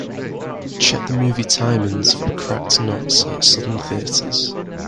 Check the movie timings for Cracked Nuts at Southern Theatres.